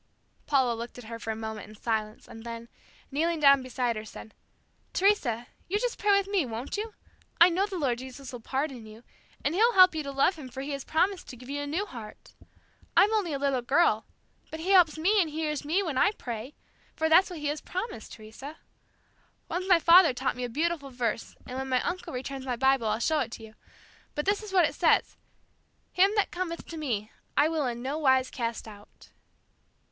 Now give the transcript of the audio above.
Paula looked at her for a moment in silence and then, kneeling down beside her, said, "Teresa, you just pray with me, won't you? I know the Lord Jesus will pardon you, and He'll help you to love Him for He has promised to give you a new heart. I'm only a little girl, but He helps me and He hears me when I pray, for that's what He has promised, Teresa. Once my father taught me a beautiful verse, and when my uncle returns my Bible, I'll show it to you, but this is what it says, 'Him that cometh unto Me, I will in no wise cast out.'"